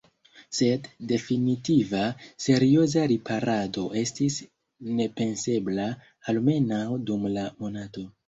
Sed definitiva, serioza riparado estis nepensebla, almenaŭ dum la monato.